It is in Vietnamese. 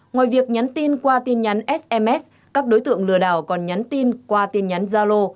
ngoài việc nhắn tin qua tin nhắn sms các đối tượng lừa đảo còn nhắn tin qua